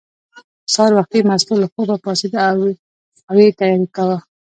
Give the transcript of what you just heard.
سهار وختي مستو له خوبه پاڅېده او یې تیاری کاوه.